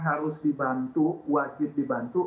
harus dibantu wajib dibantu